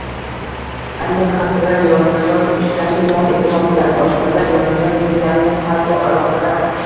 Ammo kassirlar yonma -yon ishlashni davom ettirmoqdalar, oshpazlar yonma -yon - juda yaqin, hatto aloqada